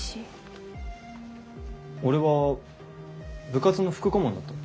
俺は部活の副顧問だった。